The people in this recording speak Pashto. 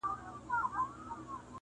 څه غزل څه قصیده وای!.